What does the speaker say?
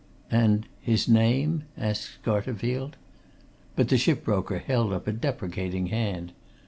"And his name?" asked Scarterfield. But the ship broker held up a deprecating hand.